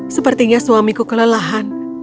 sepertinya suamiku kelelahan